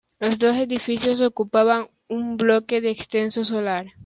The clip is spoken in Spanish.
Los dos edificios ocupan en bloque un extenso solar.